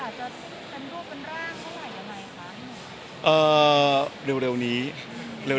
แล้วเนื้อสาวจะเป็นรูปเป็นร่างเท่าไหร่กันไหมคะ